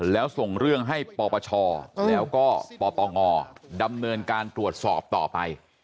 แล้วส่งเรื่องให้ปปชแล้วก็ปปงดำเนินการตรวจสอบต่อไป